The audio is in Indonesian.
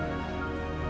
aku mau cari sendiri